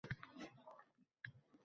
ariq chuldirashni